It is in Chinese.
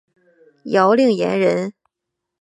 姚令言人。